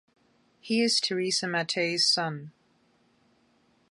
He is Teresa Mattei's son.